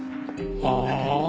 ああ！